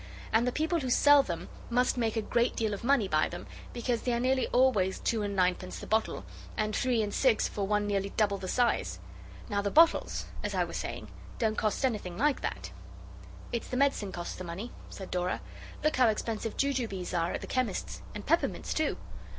And the people who sell them must make a great deal of money by them because they are nearly always two and ninepence the bottle, and three and six for one nearly double the size. Now the bottles, as I was saying, don't cost anything like that.' 'It's the medicine costs the money,' said Dora; 'look how expensive jujubes are at the chemist's, and peppermints too.